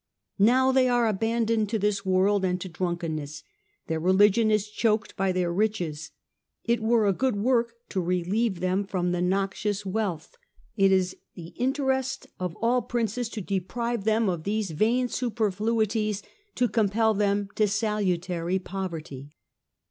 Now they are abandoned to this world, and to drunken ness ; their religion is choked by their riches. It were a good work to relieve them from the noxious wealth ; it 244 STUPOR MUNDI is the interest of all Princes to deprive them of these vain superfluities, to compel them to salutary poverty."